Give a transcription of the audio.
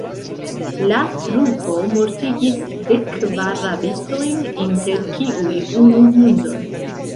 La trupo mortigis dek kvar rabistojn, inter kiuj unu hundon.